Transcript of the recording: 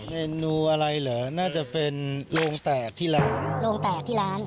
เมนูอะไรเหรอน่าจะเป็นโรงแตกที่ร้าน